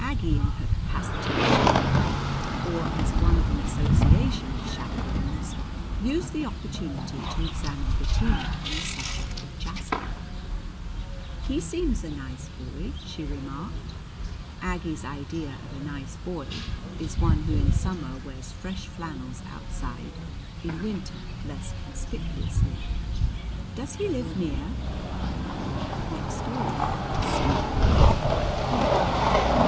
Aggie in her capacity as chaperon, or as one of an association of chaperons, used the opportunity to examine Bettina on the subject of Jasper. "He seems a nice boy," she remarked. Aggie's idea of a nice boy is one who in summer wears fresh flannels outside, in winter less conspicuously. "Does he live near?" "Next door," sweetly but coolly.